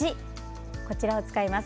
こちらを使います。